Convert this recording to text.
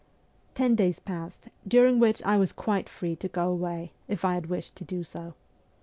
Ten days passed, during which I was quite free to go away, if I had wished to do so.